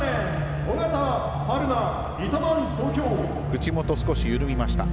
口元が少し緩みました。